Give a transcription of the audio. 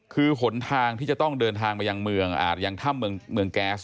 คือหนทางที่จะต้องเดินทางมายังเมืองยังถ้ำเมืองแก๊ส